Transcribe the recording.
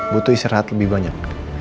butuh istri rahat lebih banyak